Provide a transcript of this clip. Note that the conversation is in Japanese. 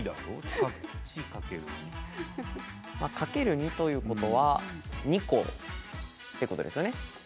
×２ということは２個ということですよね。